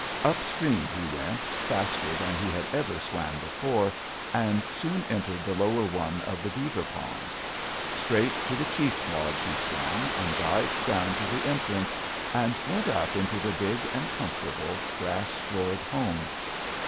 "Upstream he went, faster than he had ever swam before, and soon entered the lower one of the beaver ponds. Straight to the chief's lodge he swam, and dived down to the entrance, and went up into the big and comfortable grass floored home.